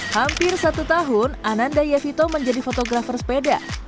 hampir satu tahun ananda yevito menjadi fotografer sepeda